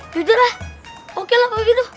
yaudahlah oke lah kamu gitu